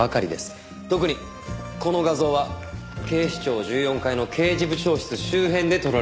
特にこの画像は警視庁１４階の刑事部長室周辺で撮られたもの。